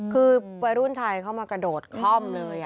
คือวัยรุ่นชายเข้ามากระโดดคล่อมเลย